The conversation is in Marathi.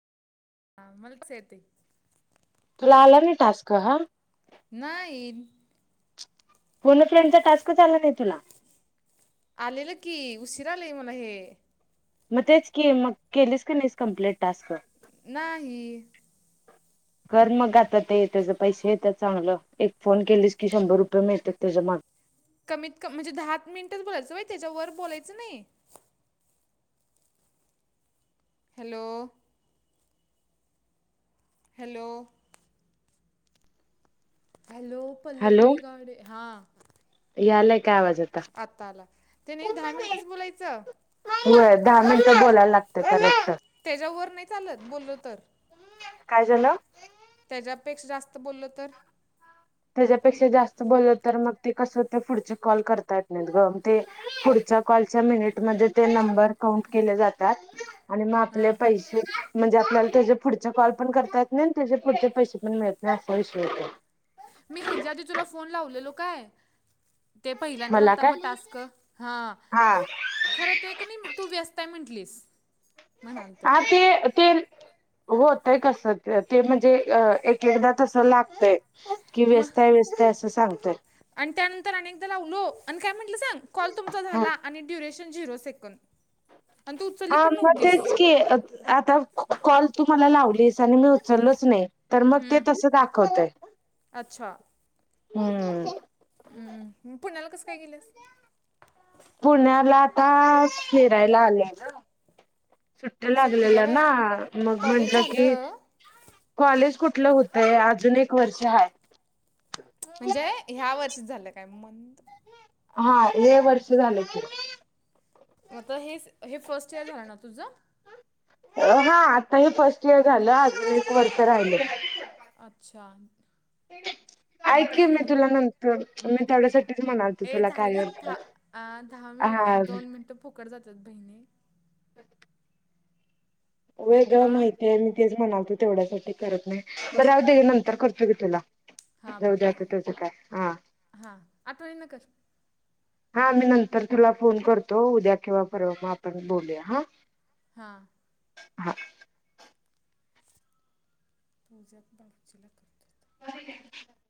आम्हाला कस येतंय... तुला आला नाही टास्क हा... नाही... फोन अ फ्रेंड चा टास्कच आला नाही तुला आलेलं की उशीर आलंय मला हे मग तेच की, मग केलीच का नाही कंप्लीट टास्क? नाही. कर मग आता ते त्याचे पैसे येतात चांगलं एक फोन केलीस की, शंभर रुपये मिळतात त्याच्या माग कमीत कमी म्हणजे दहा मिनिटच बोलायचंय त्याच्यावर बोलायचं नाही. Hello hello hello, Pallavi Nighawade हां यायलाय काय आवाज आता आता आला. ते नाही दहा मिनिटच बोलायचं. होय दहा मिनिटं बोलायला लागत करेक्ट त्याच्यावर नाही चालत बोललो तर काय झालं त्याच्यापेक्षा जास्त बोललो तर त्याच्यापेक्षा जास्त बोललं तर मग ते कसं होतं ते पुढचे कॉल करता येत नाहीत ग मग ते पुढच्या कॉलच्या मिनिट मध्ये ते नंबर काउंट केले जातात [inaudible] आणि मग आपले हा पैसे म्हणजे आपल्याला त्याच्या पुढचे कॉल करता येत नाही त्याच्या पुढचे पैसे पण मिळत नाही असा विषय येतो मी हेच्याआधी तुला फोन लावलेलो काय ते पहिल्यांदा मला आलथा ब काय टास्क हा हा खरं ते क नाही तू व्यस्त आहे म्हंटलीस हा ते ते होतय तसंच ते म्हणजे एक एकदा तसं लागतय की मग व्यस्त आहे व्यस्त असं सांगतय आणि त्यानंतर अनेकदा लावलो आणि काय म्हटलं सांग कॉल तुमचा हा झाला आणि ड्युरेशन झिरो सेकंद आणि तू उचलली हा पण मग तेच नव्हतीस की आता कॉल तूमला लावलीस आणि मी चलच नाही तर मग ते तस दाखवतय अच्छा हम्म हम्म पुण्याला कसं काय गेलंस पुण्याला आता फिरायला आले हे ना सुट्टे लागलेल सुट्टीला वय ना मग कॉलेज म्हटलं की झालं कॉलेज कुठलं होतय अजून एक वर्ष हाय म्हणजे ह्या वर्षीच झालं काय मतं हा हे वर्ष झालंय की आता हेच हे फर्स्ट इयर आहे ना तुझं हा आता हे फर्स्ट इयर झालं अजून एक वर्ष राहिलं अच्छा हाय मग की कसं मी झालं तुला नंतर मी थोडसं ए झालं की दहा दहा मि हा दोन मिनिटं फोकट जातात बहिणी वेळ आ देऊन माहितीय आहे मी तेच म्हणालतो तेवढ्यासाठी करत नाही बर राहू दे नंतर करतो की तुला जाऊ दे आता त्याचं काय हा हा आठवणी न कर हा मी नंतर तुला फोन करतो उद्या किव्हा परवा मग आपण बोलूया हा हां हा पूजा बाचूलक अरे थँक्य